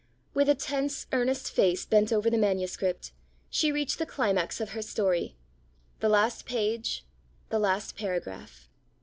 With a tense, earnest face bent over the manuscript, she reached the climax of her story the last page, the last paragraph.